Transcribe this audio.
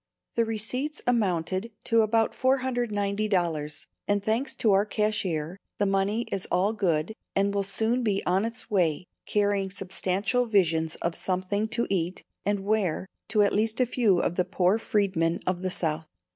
The receipts amounted to about $490, and thanks to our cashier, the money is all good, and will soon be on its way carrying substantial visions of something to eat and to wear to at least a few of the poor Freedmen of the South.